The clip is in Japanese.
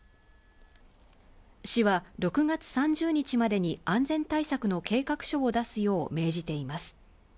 市は６月３０日までに、安全対策の計画書を出すよう命じています。